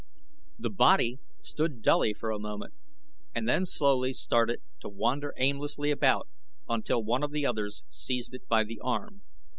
The body stood dully for a moment and then slowly started to wander aimlessly about until one of the others seized it by the arm.